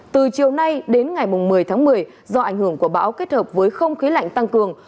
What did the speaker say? từ chiều nay đến ngày một mươi tháng một mươi do ảnh hưởng của bão kết hợp với không khí lạnh tăng cường